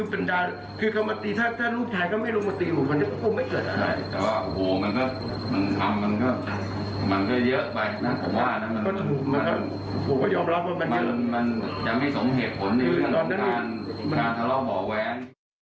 มันจะไม่สมเหตุผลอยู่กับข้าร่อบ่อแว้ง